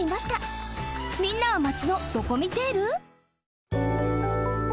みんなはマチのドコミテール？